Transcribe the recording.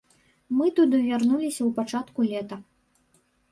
Мы туды вярнуліся ў пачатку лета.